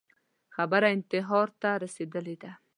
خبره انتحار ته رسېدلې ده